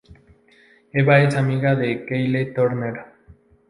Eva es amiga de Kylie Turner.